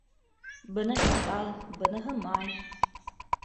- Быныһы - бал, быныһы - май!